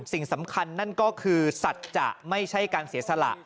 สิ่งสำคัญนั่นก็คือสัจจะไม่ใช่การเสียสละ